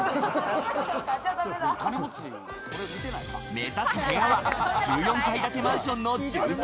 目指す部屋は１４階建てマンションの１３階。